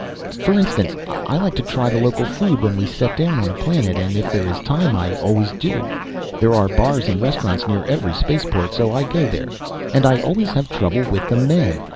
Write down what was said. For instance, I like to try the local food when we set down on a planet, and if there is time I always do. There are bars and restaurants near every spaceport so I go there. And I always have trouble with the men.